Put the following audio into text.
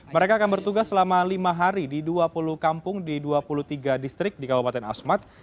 mereka akan bertugas selama lima hari di dua puluh kampung di dua puluh tiga distrik di kabupaten asmat